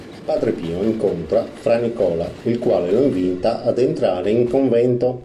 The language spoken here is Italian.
Padre Pio incontra Fra' Nicola, il quale lo invita ad entrare in convento.